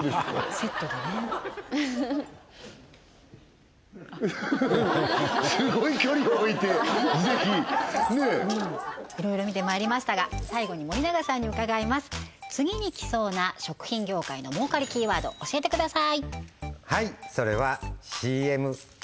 セットでねすごい距離置いてぜひねえいろいろ見てまいりましたが最後に森永さんに伺います次に来そうな食品業界の儲かりキーワード教えてください